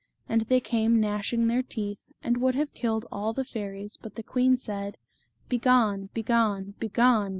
And they came gnashing their teeth, and would have killed all the fairies, but the queen said :" Begone, begone, begone